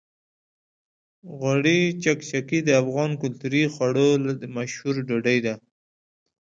غوړي چکچکي د افغاني کلتوري خواړو مشهوره ډوډۍ ده.